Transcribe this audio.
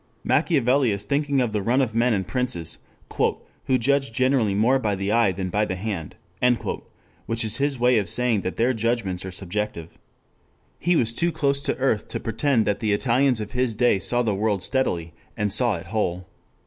Machiavelli is thinking of the run of men and princes "who judge generally more by the eye than by the hand," which is his way of saying that their judgments are subjective. He was too close to earth to pretend that the Italians of his day saw the world steadily and saw it whole.